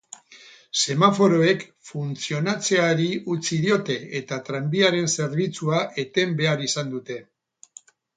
Semaforoek funtzionatzeari utzi diote eta tranbiaren zerbitzua eten behar izan dute.